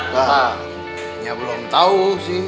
ya belum tahu sih